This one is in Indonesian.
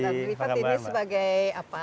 dan rifat ini sebagai apa